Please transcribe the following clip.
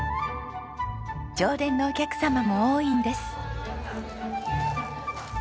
常連のお客様も多いんです。